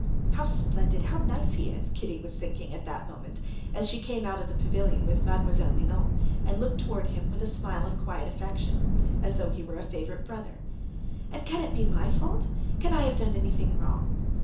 "How splendid, how nice he is!" Kitty was thinking at that time, as she came out of the pavilion with Mlle. Linon, and looked towards him with a smile of quiet affection, as though he were a favorite brother. "And can it be my fault, can I have done anything wrong?